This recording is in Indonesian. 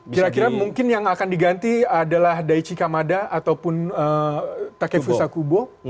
kira kira mungkin yang akan diganti adalah daichi kamada ataupun take fusa kubo